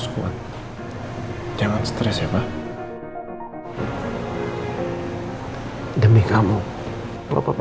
kasih tau papa